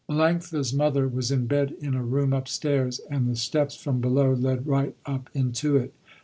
Melanctha's mother was in bed in a room upstairs, and the steps from below led right up into it.